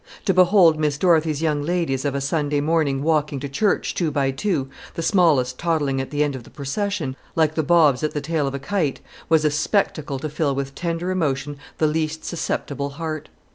To behold Miss Dorothy's young ladies of a Sunday morning walking to church two by two, the smallest toddling at the end of the procession, like the bobs at the tail of a kite, was a spectacle to fill with tender emotion the least susceptible heart.